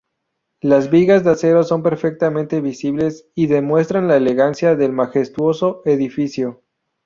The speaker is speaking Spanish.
Las vigas de acero son perfectamente visibles y demuestran la elegancia del majestuoso edificio.